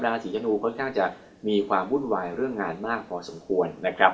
ราศีธนูค่อนข้างจะมีความวุ่นวายเรื่องงานมากพอสมควรนะครับ